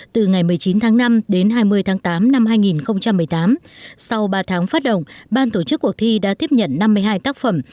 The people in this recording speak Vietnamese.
từ ngày một mươi chín tháng năm đến hai mươi tháng tám năm hai nghìn một mươi tám sau ba tháng phát động ban tổ chức cuộc thi đã tiếp nhận năm mươi hai tác phẩm